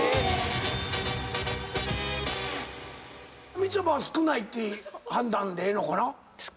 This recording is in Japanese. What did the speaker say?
みちょぱは少ないって判断でええのかな？